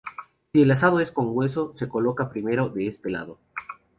Si el asado es con hueso, se coloca primero este lado.